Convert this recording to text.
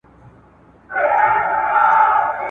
د بې ننګه پښتون مشره له خپل نوم څخه شرمېږم ..